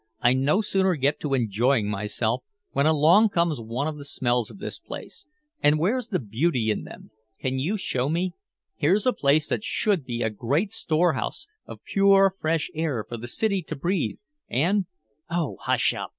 "I no sooner get to enjoying myself when along comes one of the smells of this place. And where's the beauty in them? Can you show me? Here's a place that should be a great storehouse of pure fresh air for the city to breathe, and " "Oh, hush up!"